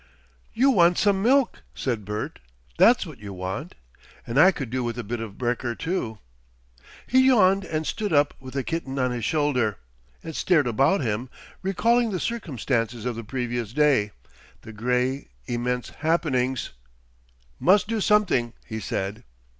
"You want some milk," said Bert. "That's what you want. And I could do with a bit of brekker too." He yawned and stood up, with the kitten on his shoulder, and stared about him, recalling the circumstances of the previous day, the grey, immense happenings. "Mus' do something," he said.